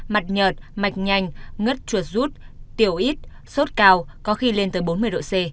mặt nhợt mạch nhanh ngất chuột rút tiểu ít sốt cao có khi lên tới bốn mươi độ c